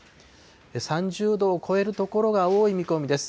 ３０度を超える所が多い見込みです。